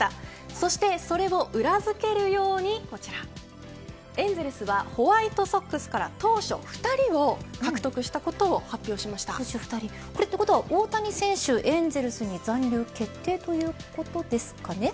そしてそれを裏付けるように、こちらエンゼルスはホワイトソックスから投手、２人を獲得したことをということは、大谷選手エンゼルスに残留決定ということですかね。